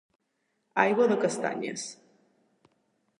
Aigua de castanyes.